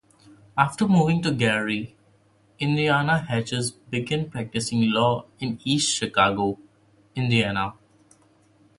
After moving to Gary, Indiana, Hatcher began practicing law in East Chicago, Indiana.